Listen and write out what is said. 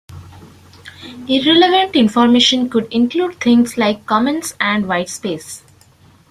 Irrelevant information could include things like comments and white space.